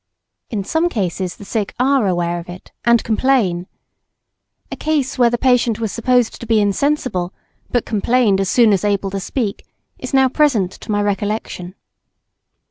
In some cases the sick are aware of it, and complain. A case where the patient was supposed to be insensible, but complained as soon as able to speak, is now present to my recollection.